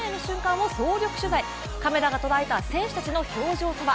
カメラが捉えた選手たちの表情とは。